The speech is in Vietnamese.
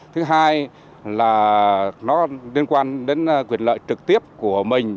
thứ hai là nó liên quan đến quyền lợi trực tiếp của mình